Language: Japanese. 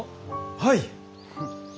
はい！